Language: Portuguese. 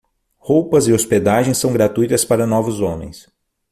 Roupas e hospedagem são gratuitas para novos homens.